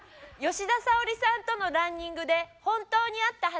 「吉田沙保里さんとのランニングで本当にあった話」。